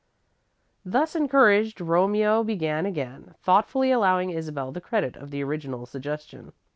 Thus encouraged, Romeo began again, thoughtfully allowing Isabel the credit of the original suggestion.